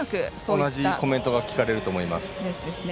同じコメントが聞かれると思います。